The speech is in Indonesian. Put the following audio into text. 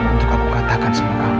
untuk aku katakan semua kamu